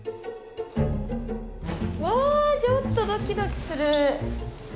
うわちょっとドキドキする。